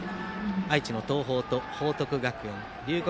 愛知の東邦と報徳学園龍谷